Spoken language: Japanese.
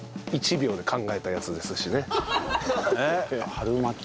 春巻き。